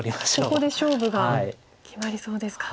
ここで勝負が決まりそうですか。